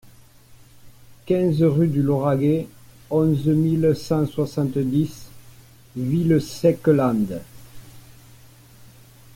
quinze rue du Lauragais, onze mille cent soixante-dix Villesèquelande